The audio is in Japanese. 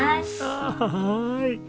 はい。